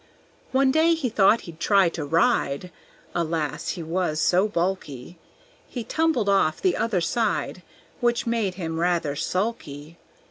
One day he thought he'd try to ride; Alas, he was so bulky, He tumbled off the other side, Which made him rather sulky.